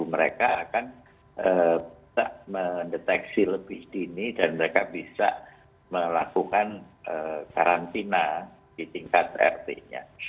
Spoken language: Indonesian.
mereka akan bisa mendeteksi lebih dini dan mereka bisa melakukan karantina di tingkat rt nya